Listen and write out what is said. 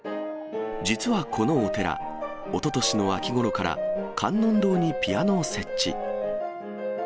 実はこのお寺、おととしの秋ごろから、観音堂にピアノを設置。